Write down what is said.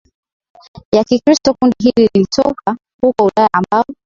ya Kikristo Kundi hili lilitoka huko Ulaya ambao